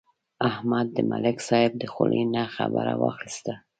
احمد د ملک صاحب د خولې نه خبره واخیسته.